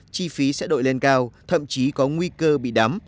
chi phí sẽ đội lên cao thậm chí có nguy cơ bị đắm